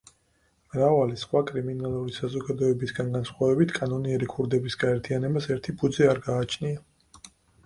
მრავალი სხვა კრიმინალური საზოგადოებისგან განსხვავებით, კანონიერი ქურდების გაერთიანებას ერთი ფუძე არ გააჩნია.